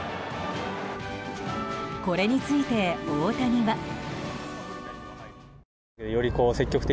これについて、大谷は。